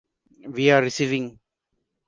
We are receiving.